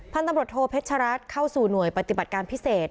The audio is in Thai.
ท่านตำรวจโทเพชรัตน์เข้าสู่หน่วยปฏิบัติการพิเศษ